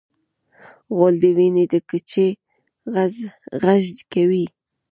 غول د وینې د کچې غږ کوي.